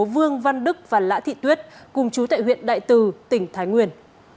vương văn đức và lã thị tuyết cùng chú tại huyện đại từ tỉnh thái nguyên